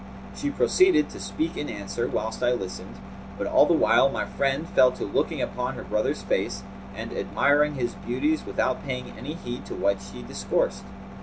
She proceeded to speak in answer, whilst I listened; but all the while my friend fell to looking upon her brother's face and admiring his beauties without paying any heed to what she discoursed.